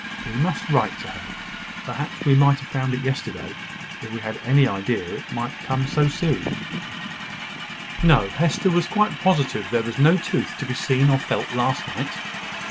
"We must write to her. Perhaps we might have found it yesterday, if we had had any idea it would come so soon." No: Hester was quite positive there was no tooth to be seen or felt last night.